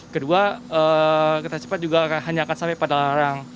kedua kereta cepat juga hanya akan sampai pada larang